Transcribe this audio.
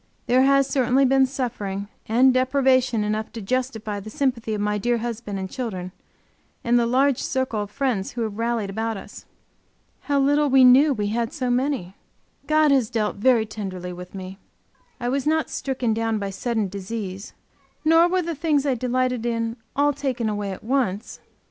There has certainly been suffering and deprivation enough to justify the sympathy of my dear husband and children and the large circle of friends who have rallied about us. How little we knew we had so many! God has dealt very tenderly with me. I was not stricken down by sudden disease, nor were the things I delighted in all taken away at once.